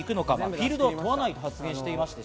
フィールドは問わないと発言していました。